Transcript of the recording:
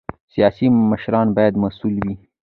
سیاسي مشران باید مسؤل وي